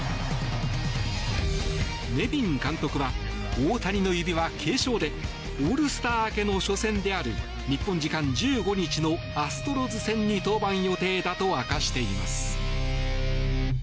ネビン監督は大谷の指は軽傷でオールスター明けの初戦である日本時間１５日のアストロズ戦に登板予定だと明かしています。